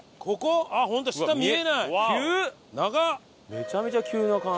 めちゃめちゃ急な感じの。